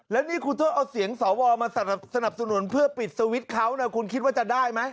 แล้วนี่คุณต้องเอาเสียงสวมาสนับสนุนเพื่อปิดสวิตช์เขานะคุณคิดว่าจะได้ไหม